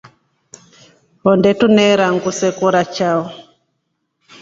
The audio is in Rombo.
Onde tuneera nguu zekora chao.